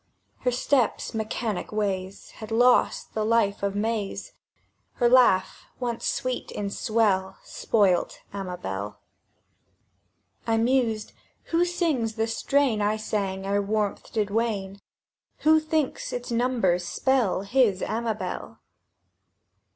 Her step's mechanic ways Had lost the life of May's; Her laugh, once sweet in swell, Spoilt Amabel. I mused: "Who sings the strain I sang ere warmth did wane? Who thinks its numbers spell His Amabel?"